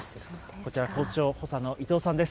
こちら、校長補佐の伊藤さんです。